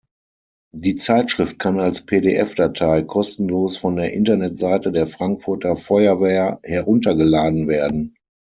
Die Zeitschrift kann als pdf-Datei kostenlos von der Internetseite der Frankfurter Feuerwehr heruntergeladen werden.